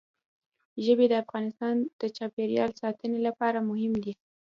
ژبې د افغانستان د چاپیریال ساتنې لپاره مهم دي.